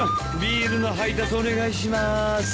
ビールの配達お願いします。